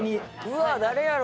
うわっ誰やろ？